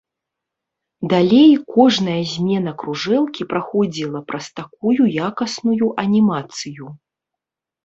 Далей кожная змена кружэлкі праходзіла праз такую якасную анімацыю.